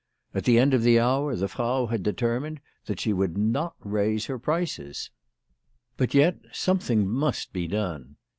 At the end of the hour the Frau had determined that she would not raise her prices. Jiut yet something must be done.